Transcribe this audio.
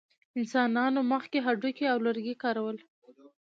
انسانانو مخکې هډوکي او لرګي کارول.